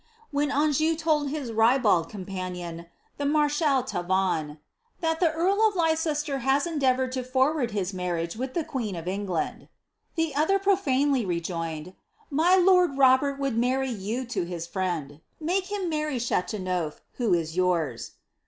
When Anjou told his ribald companion, the mareschal Tavannes, that the earl of Leicester had endeavoured to forward his marriage with the queen of England,'' the other profanely rejoined, '* My lord Robert would marry you to his friend ; make him marry Chateauneuf, who is yours."